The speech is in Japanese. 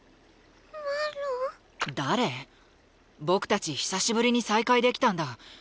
僕たち久しぶりに再会できたんだ。